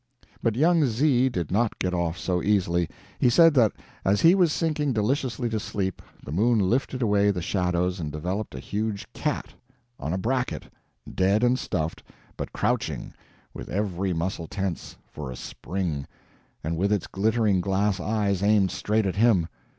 But young Z did not get off so easily. He said that as he was sinking deliciously to sleep, the moon lifted away the shadows and developed a huge cat, on a bracket, dead and stuffed, but crouching, with every muscle tense, for a spring, and with its glittering glass eyes aimed straight at him.